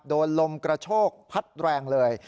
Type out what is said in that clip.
ลมกระโชกพัดแรงเลย